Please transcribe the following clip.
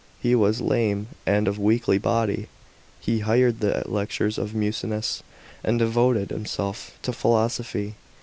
He was lame and of weakly body. He hiard the lectures of Musonius and devoted himself to philosophy.